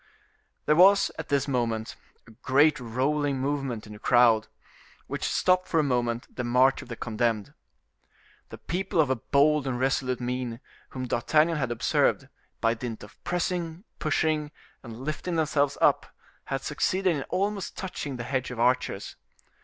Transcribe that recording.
There was, at this moment, a great rolling movement in the crowd, which stopped for a moment the march of the condemned. The people of a bold and resolute mien, whom D'Artagnan had observed, by dint of pressing, pushing, and lifting themselves up, had succeeded in almost touching the hedge of archers.